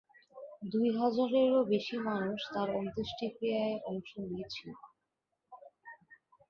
দুই হাজারেরও বেশি মানুষ তার অন্ত্যেষ্টিক্রিয়ায় অংশ নিয়েছিল।